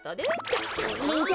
たたいへんだ！